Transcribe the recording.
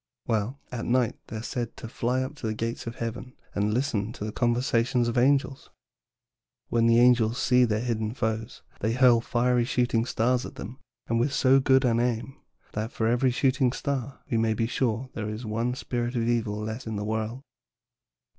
"Well, at night they are said to fly up to the gates of heaven and listen to the conversation of the angels. When the angels see their hidden foes, they hurl fiery shooting stars at them and with so good an aim that for every shooting star we may be sure there is one spirit of evil less in the world."